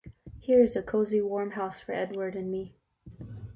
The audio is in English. Here's a cozy warm house for Edward and me.